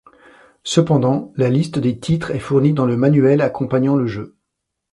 Cependant, la liste des titres est fournie dans le manuel accompagnant le jeu.